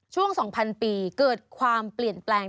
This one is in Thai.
ช่วง๒๐๐ปีเกิดความเปลี่ยนแปลง